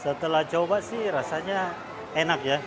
setelah coba sih rasanya enak ya